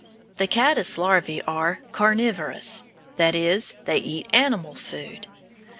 The caddice larvæ are carnivorous; that is, they eat animal food.